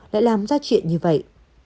lại làm ra chuyện như vậy